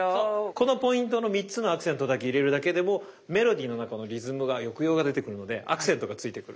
このポイントの３つのアクセントだけ入れるだけでもメロディーの中のリズムが抑揚が出てくるのでアクセントが付いてくる。